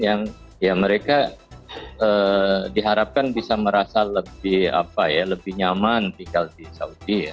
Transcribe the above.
yang ya mereka diharapkan bisa merasa lebih nyaman tinggal di saudi ya